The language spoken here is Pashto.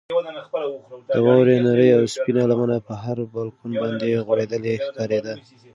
د واورې نرۍ او سپینه لمنه پر هر بالکن باندې غوړېدلې ښکارېده.